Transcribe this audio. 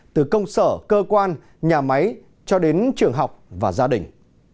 từ công sở cơ quan nhà máy cho đến trường học và gia đình